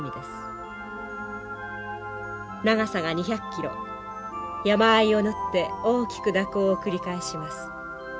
長さが２００キロ山あいを縫って大きく蛇行を繰り返します。